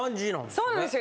そうなんですよ。